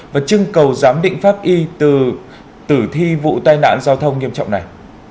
và chưng cầu giám định pháp y tử thi vụ tai nạn giao thông nghiêm trọng này